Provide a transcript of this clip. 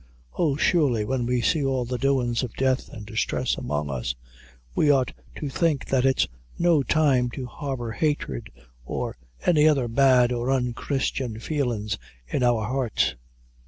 Oh, surely, when we see all the doin's of death and distress about us, we ought to think that it's no time to harbor hatred or any other bad or unchristian feelin's in our hearts!"